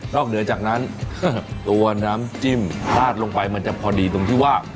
เหนือจากนั้นตัวน้ำจิ้มพลาดลงไปมันจะพอดีตรงที่ว่า